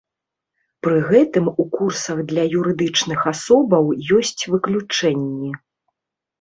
Пры гэтым у курсах для юрыдычных асобаў ёсць выключэнні.